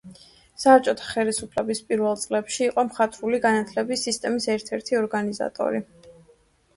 საბჭოთა ხელისუფლების პირველ წლებში იყო მხატვრული განათლების სისტემის ერთ-ერთი ორგანიზატორი.